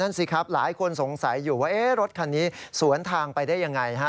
สิครับหลายคนสงสัยอยู่ว่ารถคันนี้สวนทางไปได้ยังไงฮะ